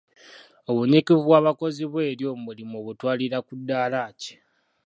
Obunyiikivu bw'abakozi bo eri omulimu obutwalira ku ddaala ki?